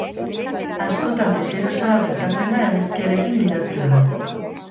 Askotan deserosoa gertatzen da eguzkiarekin gidatzea.